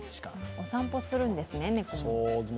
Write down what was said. お散歩するんですね、猫も。